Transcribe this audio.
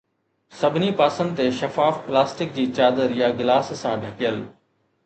سڀني پاسن تي شفاف پلاسٽڪ جي چادر يا گلاس سان ڍڪيل